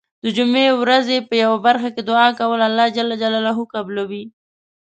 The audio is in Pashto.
د جمعې ورځې په یو برخه کې دعا کول الله ج قبلوی .